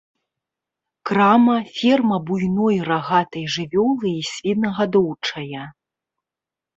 Крама, ферма буйной рагатай жывёлы і свінагадоўчая.